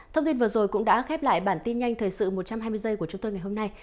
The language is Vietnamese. thông tin vừa rồi cũng đã khép lại bản tin nhanh thời sự một trăm hai mươi giây của chúng tôi ngày hôm nay